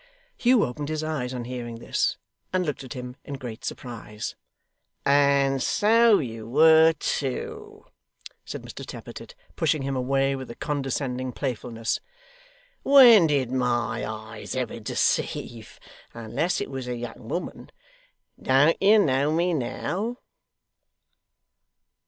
Hugh opened his eyes on hearing this, and looked at him in great surprise. ' And so you were, too,' said Mr Tappertit, pushing him away with a condescending playfulness. 'When did MY eyes ever deceive unless it was a young woman! Don't you know me now?